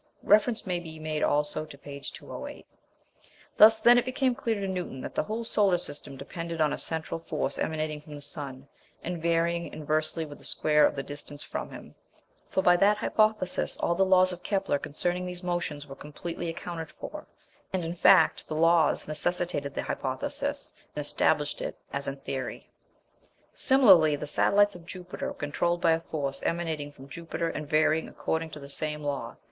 [Reference may be made also to p. 208.] Thus then it became clear to Newton that the whole solar system depended on a central force emanating from the sun, and varying inversely with the square of the distance from him: for by that hypothesis all the laws of Kepler concerning these motions were completely accounted for; and, in fact, the laws necessitated the hypothesis and established it as a theory. Similarly the satellites of Jupiter were controlled by a force emanating from Jupiter and varying according to the same law.